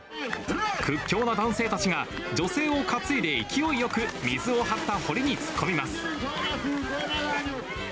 屈強な男性たちが、女性を担いで勢いよく水を張った堀に突っ込みます。